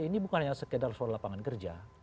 ini bukan hanya sekedar soal lapangan kerja